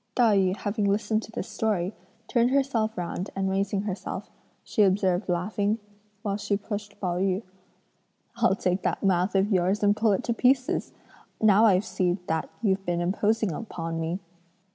'" Tai yü having listened to this story, turned herself round and raising herself, she observed laughing, while she pushed Pao yü: "I'll take that mouth of yours and pull it to pieces! Now I see that you've been imposing upon me."